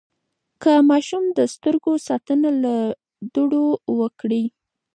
د ماشوم د سترګو ساتنه له دوړو وکړئ.